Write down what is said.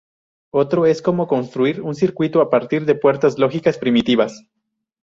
Otro es cómo construir un circuito a partir de puertas lógicas primitivas.